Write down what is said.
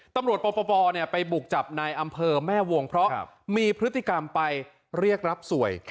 ตำรวจปปไปบุกจับนายอำเภอแม่วงเพราะมีพฤติกรรมไปเรียกรับสวย